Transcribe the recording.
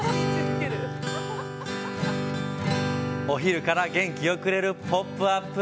お昼から元気をくれる「ポップＵＰ！」